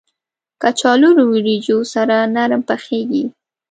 کچالو له وریجو سره نرم پخېږي